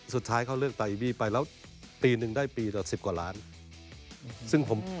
สุดท้ายเขาเลือกไตอีดี้ไปแล้วปีนึงได้ปีเดียวสิบกว่าล้าน